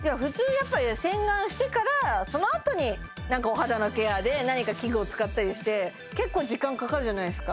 やっぱり洗顔してからそのあとになんかお肌のケアで何か器具を使ったりして結構時間かかるじゃないですか？